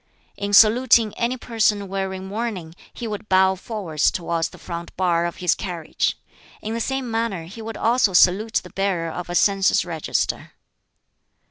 In saluting any person wearing mourning he would bow forwards towards the front bar of his carriage; in the same manner he would also salute the bearer of a census register.